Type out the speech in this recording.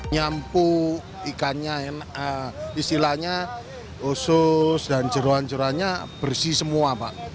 nyampu ikannya istilahnya usus dan jeruan jeruannya bersih semua pak